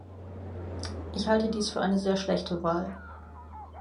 Ich halte dies für eine sehr schlechte Wahl.